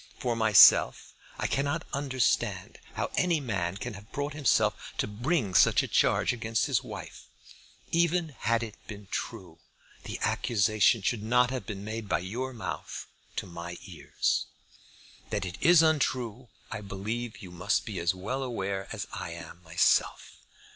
For myself I cannot understand how any man can have brought himself to bring such a charge against his wife. Even had it been true the accusation should not have been made by your mouth to my ears. That it is untrue I believe you must be as well aware as I am myself.